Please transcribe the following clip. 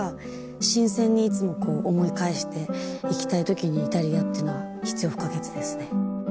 新鮮にいつも思い返していきたい時にイタリアっていうのは必要不可欠ですね。